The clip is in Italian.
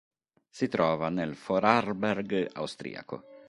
Si trova nel Vorarlberg austriaco.